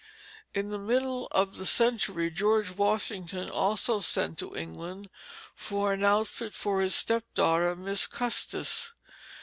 In the middle of the century George Washington also sent to England for an outfit for his stepdaughter, Miss Custis.